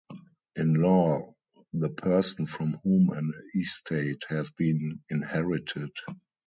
In law the person from whom an estate has been inherited.